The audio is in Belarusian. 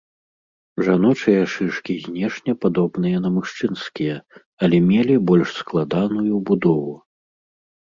Жаночыя шышкі знешне падобныя на мужчынскія, але мелі больш складаную будову.